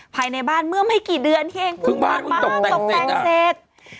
ภายในบ้านเมื่อไม่กี่เดือนที่เองเพิ่งตกแต่งเสร็จ